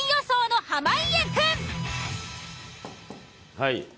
はい。